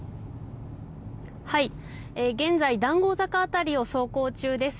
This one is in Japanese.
現在、談合坂辺りを走行中です。